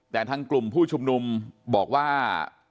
แต่ทางกลุ่มผู้ชุมนุมบอกว่า